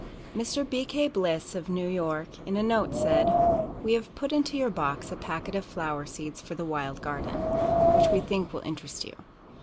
Mr. B. K. Bliss, of New York, in a note, said: "We have put into your box a packet of flower seeds for the wild garden, which we think will interest you.